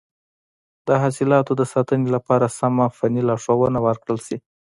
د حاصلاتو د ساتنې لپاره سمه فني لارښوونه ورکړل شي.